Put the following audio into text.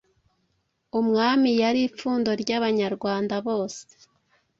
Umwami yari ipfundo ry'Abanyarwanda bose.